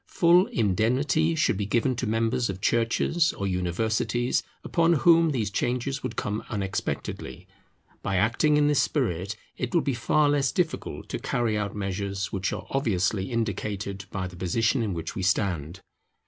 Full indemnity should be given to members of Churches or Universities, upon whom these changes would come unexpectedly. By acting in this spirit it will be far less difficult to carry out measures which are obviously indicated by the position in which we stand.